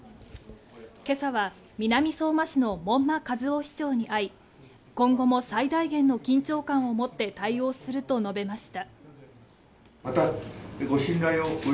今朝は南相馬市の門馬和夫市長に会い、今後も最大限の緊張感を持って対応すると述べました。